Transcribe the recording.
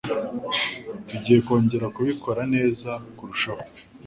Tugiye kongera kubikora neza kurushaho.